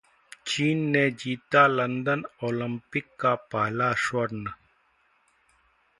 चीन ने जीता लंदन ओलंपिक का पहला स्वर्ण